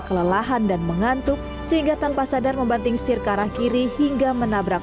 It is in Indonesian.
kelelahan dan mengantuk sehingga tanpa sadar membanting setir ke arah kiri hingga menabrak